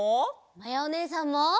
まやおねえさんも。